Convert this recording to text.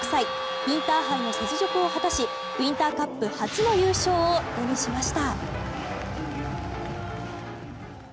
インターハイの雪辱を果たしウインターカップ初の優勝を手にしました。